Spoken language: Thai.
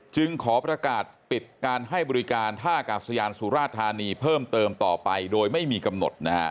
จึงขอประกาศปิดการให้บริการท่ากาศยานสุราธานีเพิ่มเติมต่อไปโดยไม่มีกำหนดนะฮะ